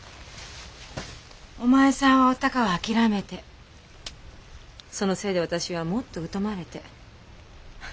お前さんはおたかを諦めてそのせいで私はもっとうとまれて。